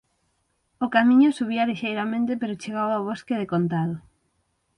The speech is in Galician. O camiño subía lixeiramente, pero chegaba ao bosque decontado.